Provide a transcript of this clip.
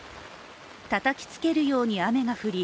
たたきつけるように雨が降り